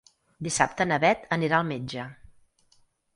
Dissabte na Bet anirà al metge.